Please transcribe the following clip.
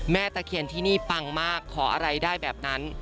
ตะเคียนที่นี่ปังมากขออะไรได้แบบนั้น